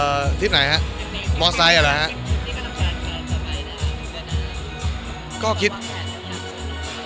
อเจมส์อย่างที่ที่กำลังการเกิดสมัยนะวิทยาลัยก็คิดว่าแค่แค่เกิดสมัย